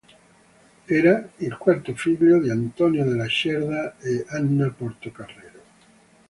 Era il quarto figlio di Antonio de la Cerda e Ana Portocarrero.